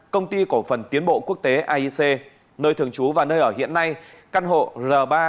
công ty cổ phần tiến bộ quốc tế aic nơi thường trú và nơi ở hiện nay căn hộ r ba tám trăm hai mươi sáu